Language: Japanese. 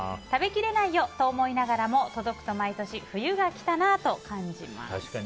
食べきれないよと思いながらも届くと毎年冬が来たなと感じます。